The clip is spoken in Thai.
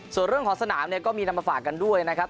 ส่วนเรื่องของสนามเนี่ยก็มีนำมาฝากกันด้วยนะครับ